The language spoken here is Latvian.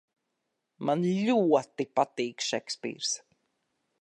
Man ļoti patīk Šekspīrs!